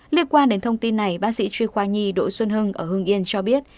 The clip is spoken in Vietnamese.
liên quan đến thông tin này bác sĩ truy khoa nhi đỗ xuân hưng ở hưng yên cho biết